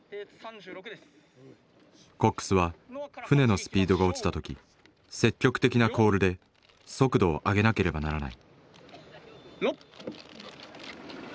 コックスは船のスピードが落ちた時積極的な「コール」で速度を上げなければならない。